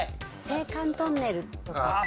青函トンネルとか。